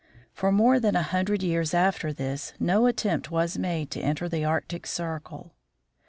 For more than a hundred years after this no attempt was made to enter the Arctic circle.